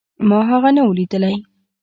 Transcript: ما هغه نه و ليدلى.